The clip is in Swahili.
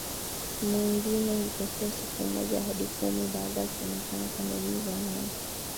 mwingine hutokea siku moja hadi kumi baada ya kuonekana kwa dalili za mwanzo